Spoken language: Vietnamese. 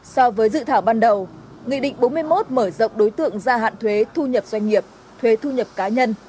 so với dự thảo ban đầu nghị định bốn mươi một mở rộng đối tượng gia hạn thuế thu nhập doanh nghiệp thuế thu nhập cá nhân